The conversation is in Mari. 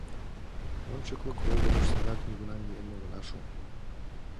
Ончыклык волгыдыш садак нигунам миен огына шу.